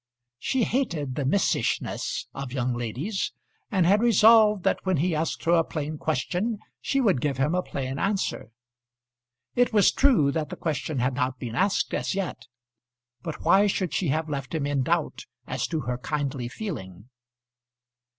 She hated the missishness of young ladies, and had resolved that when he asked her a plain question she would give him a plain answer. It was true that the question had not been asked as yet; but why should she have left him in doubt as to her kindly feeling?